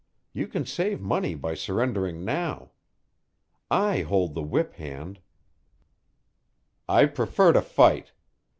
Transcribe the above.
You can save money by surrendering now. I hold the whip hand." "I prefer to fight.